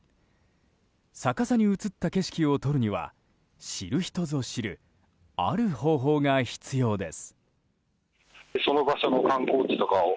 逆さに映った景色を撮るには知る人ぞ知るある方法が必要です。